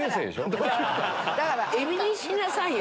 エビにしなさいよ。